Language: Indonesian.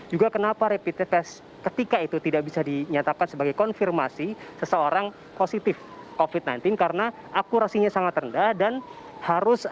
juga kenapa rapid test ketika itu tidak bisa dinyatakan sebagai konfirmasi seseorang positif covid sembilan belas karena akurasinya sangat rendah dan harus